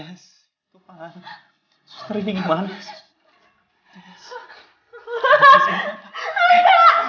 untuk menghasilkan jalan fikir ginjal